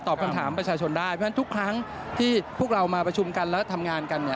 คำถามประชาชนได้เพราะฉะนั้นทุกครั้งที่พวกเรามาประชุมกันและทำงานกันเนี่ย